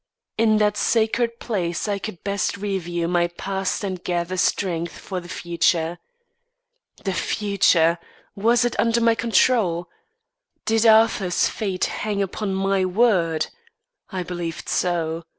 In that sacred place I could best review my past and gather strength for the future. The future! Was it under my control? Did Arthur's fate hang upon my word? I believed so.